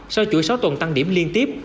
sau chuỗi sáu tuần tăng điểm liên tiếp